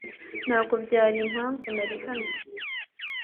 Ntabwo byari impamvu nari hano